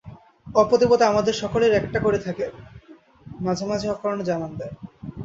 অপদেবতা আমাদের সকলেরই একটা করে থাকে, মাঝে মাঝে অকারণে জানান দেয়।